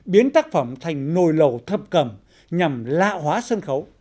biến tác phẩm thành nồi lầu thập cầm nhằm lạ hóa sân khấu